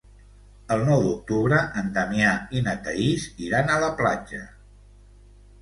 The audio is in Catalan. El nou d'octubre en Damià i na Thaís iran a la platja.